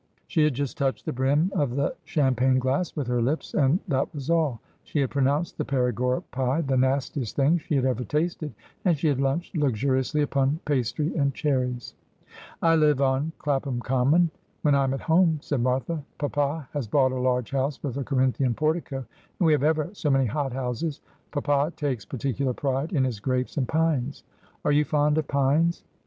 She had just touched the brim of the champagne glass with her lips and that was all. She had pronounced the Perigord pie the nastiest thing that she had ever tasted ; and she had lunched luxuriously upon pastry and cherries. ' I live on Clapham Common, when I am at home,' said Martha. 'Papa has bought a large house, with a Corinthian portico, and we have ever so many hot houses. Papa takes par ticular pride in his grapes and pines. Are you fond of pines